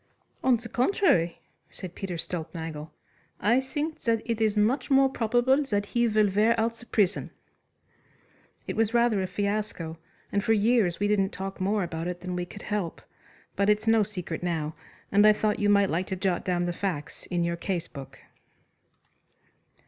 "On the contrary," said Peter Stulpnagel, "I think that it is much more probable that he will wear out the prison." It was rather a fiasco and for years we didn't talk more about it than we could help, but it's no secret now and I thought you might like to jot down the facts in your case book.